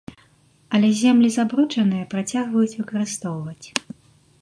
Але землі забруджаныя працягваюць выкарыстоўваць.